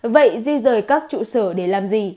vậy di rời các chủ sở để làm gì